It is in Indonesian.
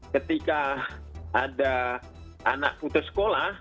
ketika ada anak putus sekolah